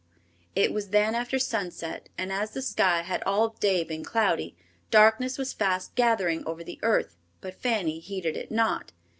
It was then after sunset, and as the sky had all day been cloudy, darkness was fast gathering over the earth, but Fanny heeded it not.